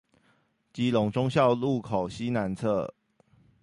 基隆忠孝路口西南側